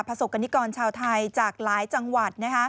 สกรณิกรชาวไทยจากหลายจังหวัด